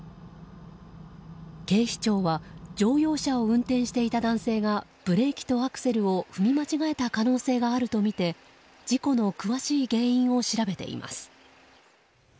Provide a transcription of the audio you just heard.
警視庁は乗用車を運転していた男性がブレーキとアクセルを踏み間違えた可能性があるとみて事故の詳しい原因を調べています。